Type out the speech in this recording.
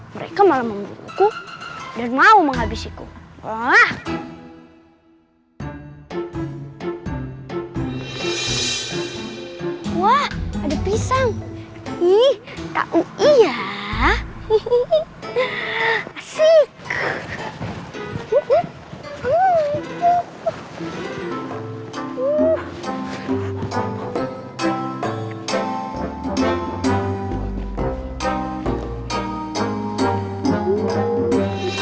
terus kamu menghilangkan jika tidak your curiosity